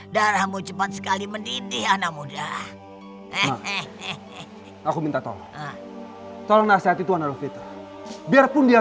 darahmu cepat sekali mendidih anak muda eh aku minta tolong tolong nasihat itu biarpun dia